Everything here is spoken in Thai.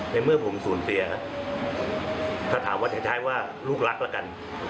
ในเมื่อผมสูญเสียถ้าถามว่าใช้ว่าลูกรักแล้วกัน